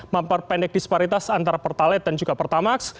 memperpendek disparitas antara pertalet dan juga pertamax